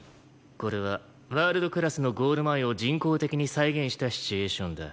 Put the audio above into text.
これはワールドクラスのゴール前を人工的に再現したシチュエーションだ。